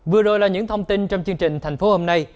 vừa rồi là những thông tin trong chương trình thành phố hôm nay